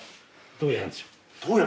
どうやるんでしょう？